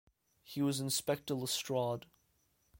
He was Inspector Lestrade.